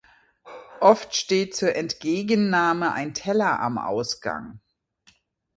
Oft steht zur Entgegennahme ein Teller am Ausgang.